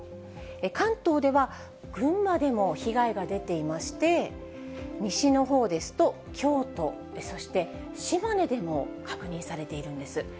関東では群馬でも被害が出ていまして、西のほうですと京都、そして、島根でも確認されているんです。